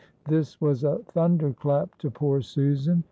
This was a thunder clap to poor Susan.